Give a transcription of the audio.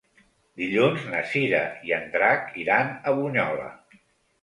Dilluns na Cira i en Drac iran a Bunyola.